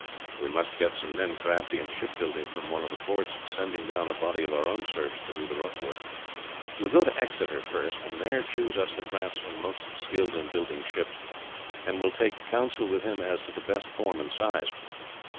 "We must get some men crafty in ship building from one of the ports, sending down a body of our own serfs to do the rough work. We will go to Exeter first and there choose us the craftsman most skilled in building ships, and will take council with him as to the best form and size.